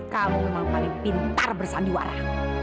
kamu memang paling pintar bersandiwara